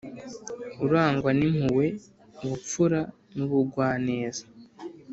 Urangwa n’impuhwe ubupfura n’ubugwa neza